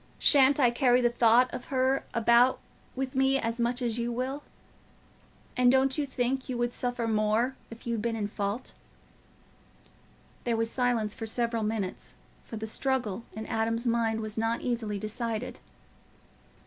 Shan't I carry the thought of her about with me as much as you will? And don't you think you would suffer more if you'd been in fault?" There was silence for several minutes, for the struggle in Adam's mind was not easily decided.